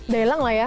daelang lah ya